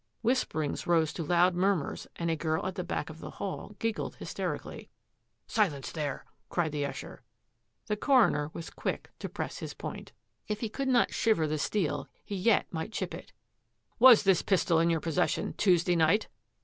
Whisperings rose to loud murmurs and a girl at the back of the hall giggled hysterically. " Silence, there !" cried the usher. The coroner was quick to press his point. If 198 THAT AFFAIR AT THE MANOR he could not shiver the steel, he yet might chip it. " Was this pistol in your possession Tuesday night?''